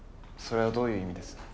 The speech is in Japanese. それはどういう意味です。